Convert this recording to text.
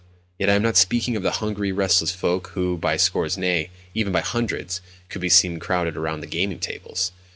Yet I am not speaking of the hungry, restless folk who, by scores nay, even by hundreds—could be seen crowded around the gaming tables.